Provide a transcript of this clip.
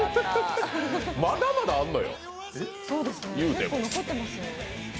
まだまだあんのよ。